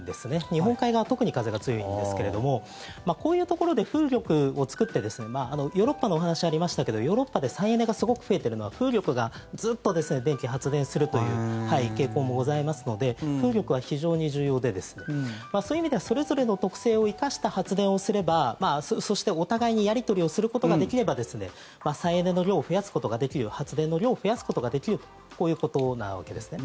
日本海側は特に風が強いんですけれどもこういうところで風力を作ってヨーロッパのお話ありましたけどヨーロッパで再エネがすごく増えてるのは風力がずっと電気発電するという傾向もございますので風力は非常に重要でそういう意味ではそれぞれの特性を生かした発電をすればそして、お互いにやり取りをすることができれば再エネの量を増やすことができる発電の量を増やすことができるこういうことなわけですね。